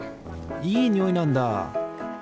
いいにおいなんだ。